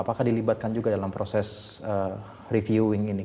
apakah dilibatkan juga dalam proses reviewing ini